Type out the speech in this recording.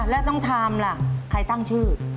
แล้วต้องทำล่ะใครตั้งชื่อ